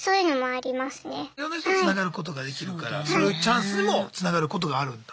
いろんな人とつながることができるからそれがチャンスにもつながることがあるんだ。